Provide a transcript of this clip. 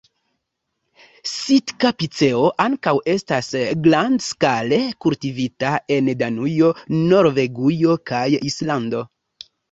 Sitka-piceo ankaŭ estas grandskale kultivita en Danujo, Norvegujo kaj Islando.